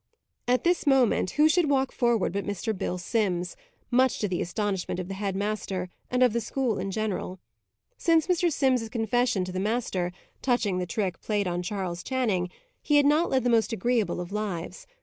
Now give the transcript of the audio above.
At this moment, who should walk forward but Mr. Bill Simms, much to the astonishment of the head master, and of the school in general. Since Mr. Simms's confession to the master, touching the trick played on Charles Channing, he had not led the most agreeable of lives.